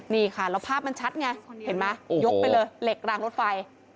นี่ค่ะแล้วภาพมันชัดไงเห็นไหมยกไปเลยเหล็กรางรถไฟ